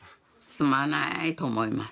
すまないと思います。